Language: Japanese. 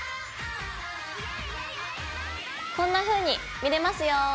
こんなふうに見れますよ。